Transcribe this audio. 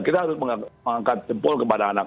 kita harus mengangkat jempul kepada anak